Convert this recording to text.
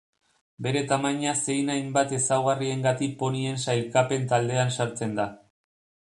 Bere tamaina zein hainbat ezaugarriengatik ponien sailkapen taldean sartzen da.